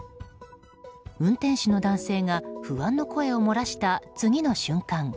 運転手の男性が不安の声を漏らした次の瞬間